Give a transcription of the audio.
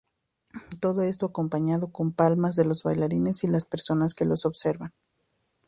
Todo esto acompañado con palmas de los bailarines y las personas que los observan.